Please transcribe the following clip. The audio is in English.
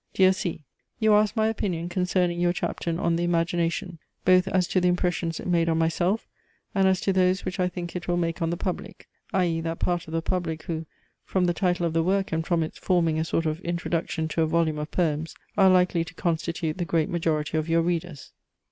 "Dear C. "You ask my opinion concerning your Chapter on the Imagination, both as to the impressions it made on myself, and as to those which I think it will make on the Public, i.e. that part of the public, who, from the title of the work and from its forming a sort of introduction to a volume of poems, are likely to constitute the great majority of your readers.